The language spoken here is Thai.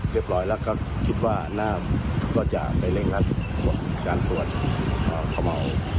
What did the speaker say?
เรียบร้อยแล้วก็คิดว่าน่าหน้าก็จะไปลิงหลัดตรวจการตรวจอ่า